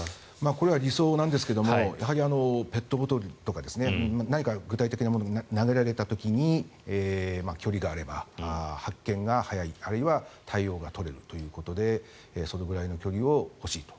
これは理想なんですがやはりペットボトルとか何か具体的なものを投げられた時に距離があれば発見が早い、あるいは対応が取れるということでそのぐらいの距離が欲しいと。